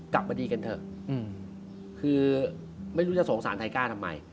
คือไม่รู้จะสงสารไทยกล้าทำไม